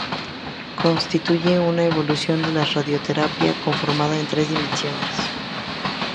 Constituye una evolución de la Radioterapia conformada en tres dimensiones.